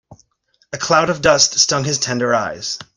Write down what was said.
A cloud of dust stung his tender eyes.